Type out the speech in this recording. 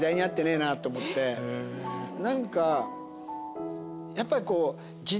何かやっぱりこう。